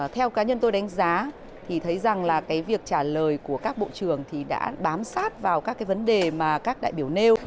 theo cá nhân tôi đánh giá thì thấy rằng việc trả lời của các bộ trưởng đã bám sát vào các vấn đề mà các đại biểu nêu